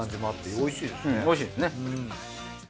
おいしいですね。